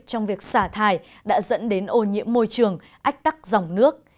trong việc xả thải đã dẫn đến ô nhiễm môi trường ách tắc dòng nước